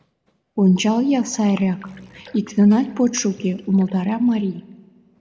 Ончал-я сайрак: иктынат почшо уке, — умылтара марий.